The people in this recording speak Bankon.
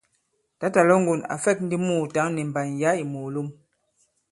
Tǎtà Lɔ̌ŋgon à fɛ̂k ndi mùùtǎŋ nì mbàn yǎ ì mòòlom.